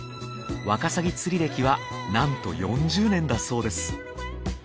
ワカサギ釣り歴はなんと４０年だそうです。